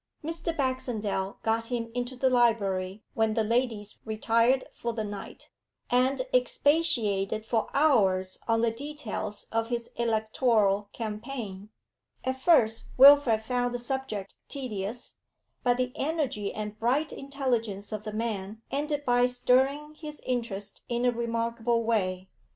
Mr. Baxendale got him into the library when the ladies retired for the night, and expatiated for hours on the details of his electoral campaign. At first Wilfrid found the subject tedious, but the energy and bright intelligence of the man ended by stirring his interest in a remarkable way.